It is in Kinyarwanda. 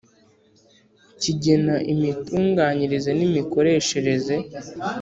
kigena imitunganyirize n imikoreshereze